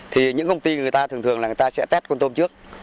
thì những công ty người ta thường thường là người ta sẽ tét con tôm trước